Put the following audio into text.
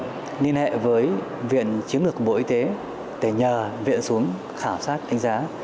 bệnh viện đã liên hệ với viện chiếm lược bộ y tế để nhờ viện xuống khảo sát đánh giá